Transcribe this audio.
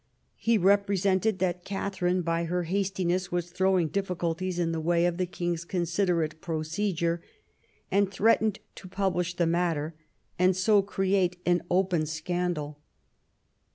He represented that Katharine by her hastiness was throwing difficulties in the way of the king's considerate procedure, and threatened to publish the matter, and so create an open 156 THOMAS WOLSEY char scandal.